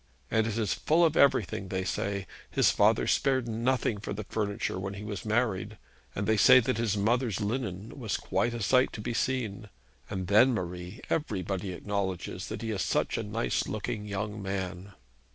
And it is full of everything, they say. His father spared nothing for furniture when he was married. And they say that his mother's linen was quite a sight to be seen. And then, Marie, everybody acknowledges that he is such a nice looking young man!'